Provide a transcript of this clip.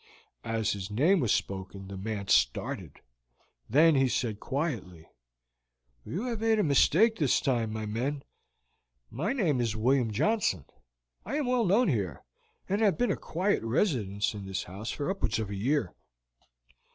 As his name was spoken the man started, then he said quietly: "You have made a mistake this time, my men; my name is William Johnson; I am well known here, and have been a quiet resident in this house for upwards of a year."